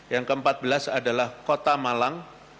yang keempat belas adalah kota malang